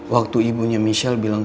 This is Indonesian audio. waktu ibunya michelle bilang